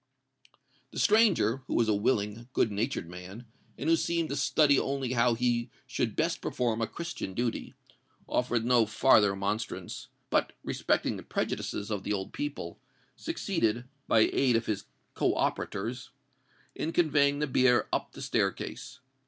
The stranger, who was a willing, good natured man, and who seemed to study only how he should best perform a Christian duty, offered no farther remonstrance; but, respecting the prejudices of the old people, succeeded, by the aid of his co operators, in conveying the bier up the staircase.